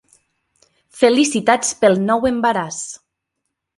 Felicitats pel nou embaràs.